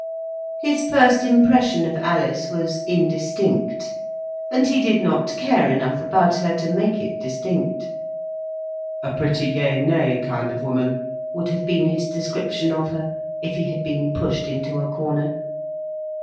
His first impression of Alice was indistinct, and he did not care enough about her to make it distinct. "A pretty yea nay kind of woman," would have been his description of her, if he had been pushed into a corner.